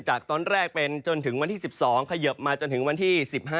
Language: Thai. จากตอนแรกเป็นจนถึงวันที่๑๒เขยิบมาจนถึงวันที่๑๕